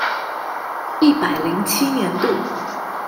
一百零七年度